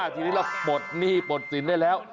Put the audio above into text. ทีนี้เราปลดหนี้ปลดสินได้แล้ว